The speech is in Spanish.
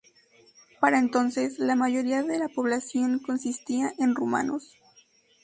Para entonces, la mayoría de la población consistía en rumanos.